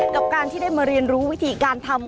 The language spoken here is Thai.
กับการที่ได้มาเรียนรู้วิธีการทำ